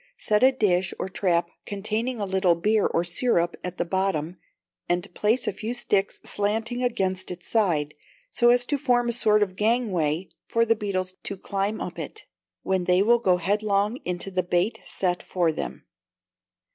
Set a dish or trap containing a little beer or syrup at the bottom, and place a few sticks slanting against its sides, so as to form a sort of gangway for the beetles to climb up it, when they will go headlong into the bait set for them.